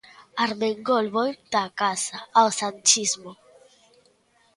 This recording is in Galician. Armengol volta a casa, ao sanchismo.